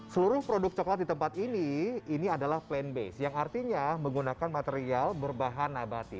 seluruh produk coklat di tempat ini ini adalah plan base yang artinya menggunakan material berbahan abadi